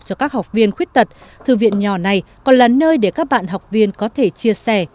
cho các học viên khuyết tật thư viện nhỏ này còn là nơi để các bạn học viên có thể chia sẻ